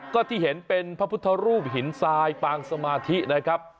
ก็ที่เห็นเป็นพระพุทธรูปหินทรายปางสมาธินะครับ